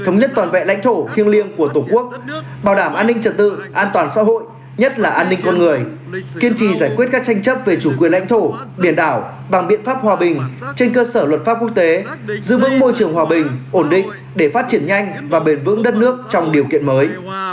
nhất là an ninh con người kiên trì giải quyết các tranh chấp về chủ quyền lãnh thổ biển đảo bằng biện pháp hòa bình trên cơ sở luật pháp quốc tế giữ vững môi trường hòa bình ổn định để phát triển nhanh và bền vững đất nước trong điều kiện mới